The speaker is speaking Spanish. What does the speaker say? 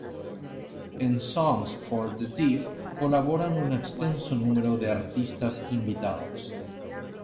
En Songs for the Deaf colaboran un extenso número de artistas invitados.